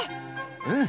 うん。